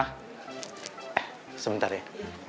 eh sebentar ya